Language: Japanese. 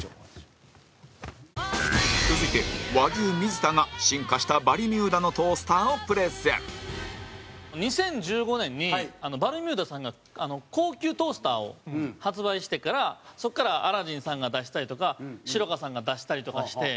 続いて、和牛、水田が進化した、バルミューダのトースターをプレゼン２０１５年にバルミューダさんが高級トースターを発売してからそこからアラジンさんが出したりとかシロカさんが出したりとかして。